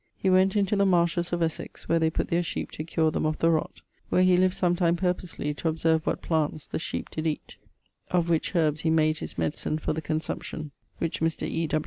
He went into the marshes of Essex, where they putt their sheep to cure them of the rott, where he lived sometime purposely to observe what plants the sheep did eat, of which herbs he made his medicine for the consumption, which Mr. E.